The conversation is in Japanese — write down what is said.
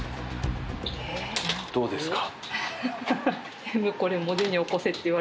どうですか？